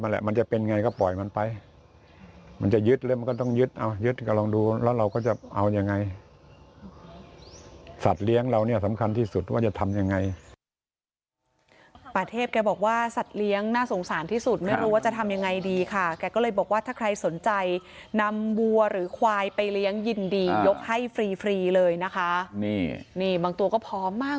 แหละมันจะเป็นไงก็ปล่อยมันไปมันจะยึดแล้วมันก็ต้องยึดเอายึดก็ลองดูแล้วเราก็จะเอายังไงสัตว์เลี้ยงเราเนี่ยสำคัญที่สุดว่าจะทำยังไงป่าเทพแกบอกว่าสัตว์เลี้ยงน่าสงสารที่สุดไม่รู้ว่าจะทำยังไงดีค่ะแกก็เลยบอกว่าถ้าใครสนใจนำบัวหรือควายไปเลี้ยงยินดียกให้ฟรีฟรีเลยนะคะนี่นี่บางตัวก็พร้อมมาก